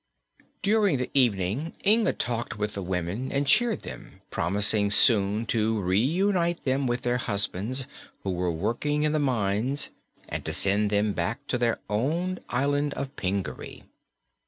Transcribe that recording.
During the evening Inga talked with the women and cheered them, promising soon to reunite them with their husbands who were working in the mines and to send them back to their own island of Pingaree.